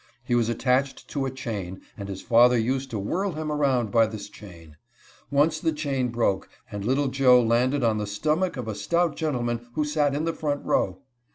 He was attached to a chain, and his father used to whirl him around by this chain. Once the chain broke, and little Joe landed on the stomach of a stout gentleman who sat in the front row.